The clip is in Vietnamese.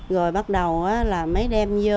rồi bắt đầu là mới đem vô